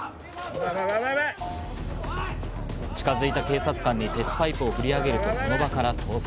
近づいた警察官に鉄パイプを振り上げると、その場から逃走。